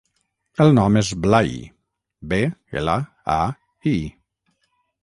El nom és Blai: be, ela, a, i.